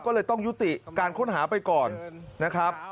ก็เลยต้องยุติการค้นหาไปก่อนนะครับ